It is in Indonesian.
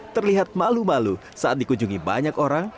terlihat malu malu saat dikunjungi banyak orang